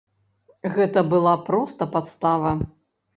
Гэта была проста падстава.